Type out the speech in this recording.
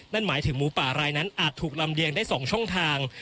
นั่นหมายถึงหมูป่ารายนั้นอาจถูกลำเลียงได้๒ช่องทาง